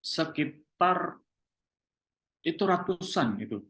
sekitar ratusan kapal yang ditangkap oleh rote